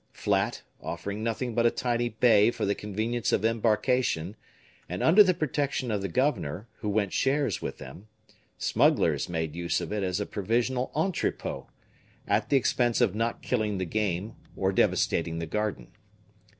Flat, offering nothing but a tiny bay for the convenience of embarkation, and under the protection of the governor, who went shares with them, smugglers made use of it as a provisional entrepot, at the expense of not killing the game or devastating the garden.